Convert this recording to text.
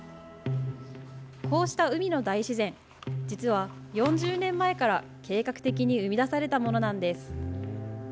こうした海の大自然、実は４０年前から計画的に生み出されたものなんです。